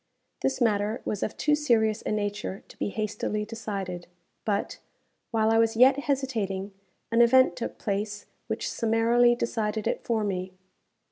This matter was of too serious a nature to be hastily decided; but, while I was yet hesitating, an event took place which summarily decided it for me.